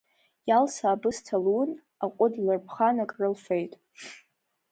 Иалса абысҭа лун, аҟәыд лырԥхан акрылфеит.